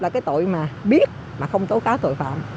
là cái tội mà biết mà không tố cáo tội phạm